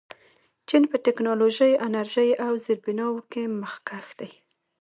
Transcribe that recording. چین په ټیکنالوژۍ، انرژۍ او زیربناوو کې مخکښ دی.